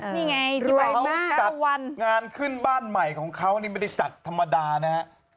นี่ไงรายมากศักดีแบบ๑เขาจัดงานขึ้นบ้านใหม่ของเขานี่ไม่ได้จัดธรรมดานะฮะ